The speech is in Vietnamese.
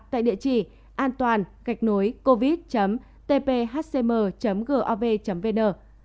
tại địa chỉ an toàn covid tphcm gov vn